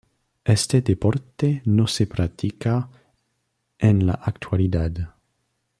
Este deporte no se practica en la actualidad.